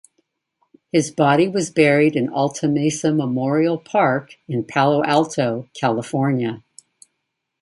His body was buried in Alta Mesa Memorial Park in Palo Alto, California.